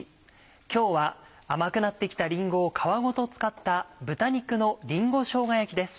今日は甘くなってきたりんごを皮ごと使った「豚肉のりんごしょうが焼き」です。